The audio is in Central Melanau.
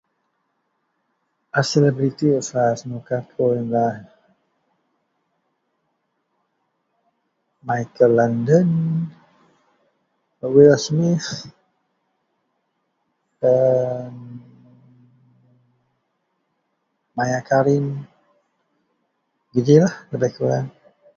A seleberiti wak senuka kou iyen lah ....Michael Landon, (wira ??) (Smith ...a.. Maya Karim gejilah lebeh kureng